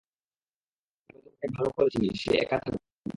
আমি তোমার পাপাকে ভালো করে চিনি সে একা থাকবে।